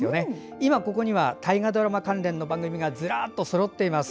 今、ここには大河ドラマ関連の番組がズラッとそろっています。